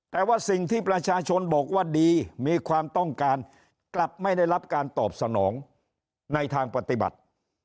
แต่ว่าสิ่งที่ประชาชนบอกว่าดีมีความต้องการกลับไม่ได้รับการตอบสนองในทางปฏิบัติ